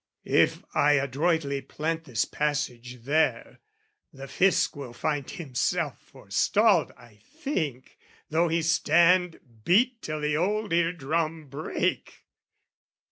If I adroitly plant this passage there, The Fisc will find himself forestalled, I think, Though he stand, beat till the old ear drum break!